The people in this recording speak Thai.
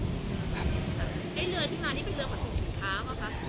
เขาาถ้ายังงั้นจะยนต์ไปประแลกว่า